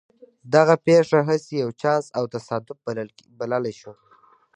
دغه پېښه هسې يو چانس او تصادف بللای شو.